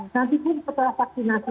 nanti pun setelah vaksinasi